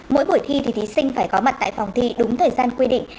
mỗi buổi thi thì thí sinh phải có mặt tại phòng thi đúng thời gian quy định